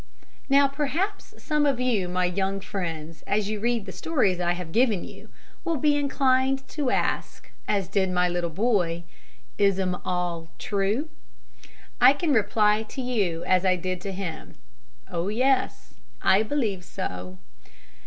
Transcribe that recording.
Now, perhaps some of you, my young friends, as you read the stories I have given you, will be inclined to ask, as did my little boy, "Is 'um all true?" I can reply to you, as I did to him, "Oh yes; I believe so."